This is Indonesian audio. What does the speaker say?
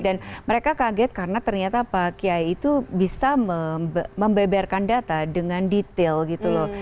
mereka kaget karena ternyata pak kiai itu bisa membeberkan data dengan detail gitu loh